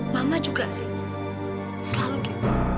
mama juga sih selalu gitu